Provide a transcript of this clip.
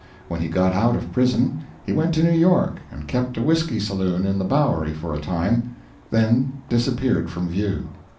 When he got out of prison he went to New York and kept a whisky saloon in the Bowery for a time, then disappeared from view.